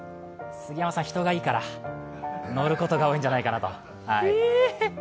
杉山さん、人がいいから乗ることが多いんじゃないかなと。